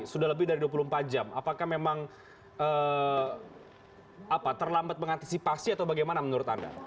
sudah lebih dari dua puluh empat jam apakah memang terlambat mengantisipasi atau bagaimana menurut anda